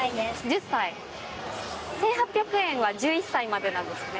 １８００円は１１歳までなんですけど。